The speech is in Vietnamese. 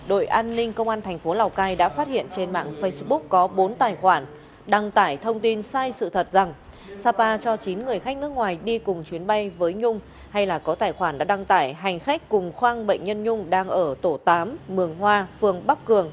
đội an ninh công an thành phố lào cai đã phát hiện trên mạng facebook có bốn tài khoản đăng tải thông tin sai sự thật rằng sapa cho chín người khách nước ngoài đi cùng chuyến bay với nhung hay là có tài khoản đã đăng tải hành khách cùng khoang bệnh nhân nhung đang ở tổ tám mường hoa phường bắc cường